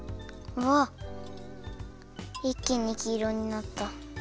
いっきにきいろになった。